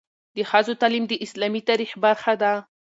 د ښځو تعلیم د اسلامي تاریخ برخه ده.